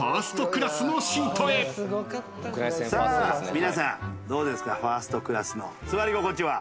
皆さんどうですかファーストクラスの座り心地は。